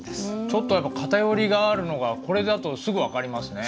ちょっとやっぱ偏りがあるのがこれだとすぐ分かりますね。